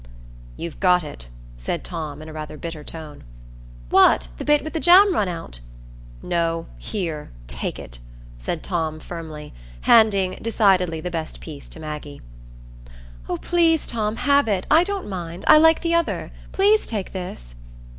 "You've got it," said Tom, in rather a bitter tone. "What! the bit with the jam run out?" "No; here, take it," said Tom, firmly, handing, decidedly the best piece to Maggie. "Oh, please, Tom, have it; I don't mind—I like the other; please take this."